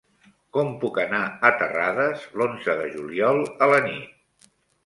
Com puc anar a Terrades l'onze de juliol a la nit?